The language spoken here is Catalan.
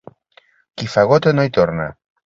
Qui fa gota no hi torna.